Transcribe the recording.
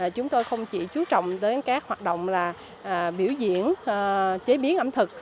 chúng tôi không chỉ chú trọng đến các hoạt động biểu diễn chế biến ẩm thực